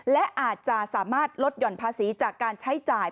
และอาจจะสามารถลดหย่อนภาษีจากการใช้จ่าย